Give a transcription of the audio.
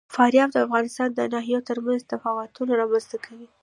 فاریاب د افغانستان د ناحیو ترمنځ تفاوتونه رامنځ ته کوي.